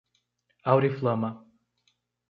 Auriflama